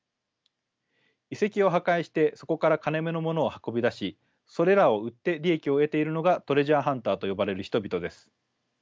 遺跡を破壊してそこから金めの物を運び出しそれらを売って利益を得ているのがトレジャーハンターと呼ばれる人々です。